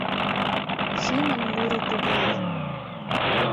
Шӱмын муро тугай: